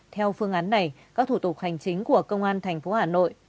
theo phương án này các thủ tục hành chính của công an thành phố hà nội